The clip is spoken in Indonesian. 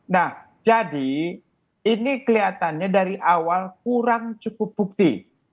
nah jadi ini kelihatannya dari awal kurang cukup bukti